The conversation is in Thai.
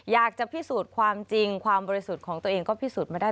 อยากจะพิสูจน์ความจริงความบริสุทธิ์ของตัวเองก็พิสูจน์มาได้